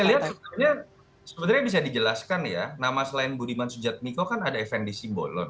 kalau saya lihat sebenarnya bisa dijelaskan ya nama selain budiman sujad miko kan ada fndc bolon